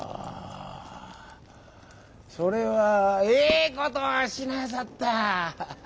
それはええことをしなさった。